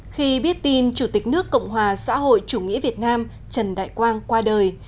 khi biết tin chủ tịch nước cộng hòa xã hội chủ nghĩa việt nam trần đại quang qua đời